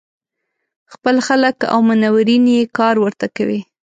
خپل خلک او منورین یې کار ورته کوي.